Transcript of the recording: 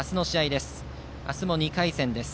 明日も２回戦です。